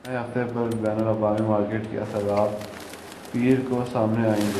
نئے ہفتے پر بین الاقوامی مارکیٹ کے اثرات پیر کو سامنے آئیں گے